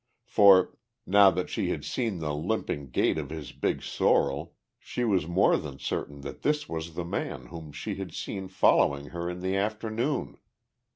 For, now that she had seen the limping gait of his big sorrel, was she more than certain that this was the man whom she had seen following her in the afternoon.